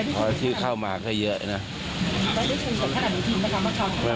เพราะที่เข้ามาก็เยอะนะ